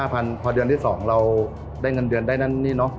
พอเดือนที่๒เราได้เงินเดือนได้นั่นนี่เนอะ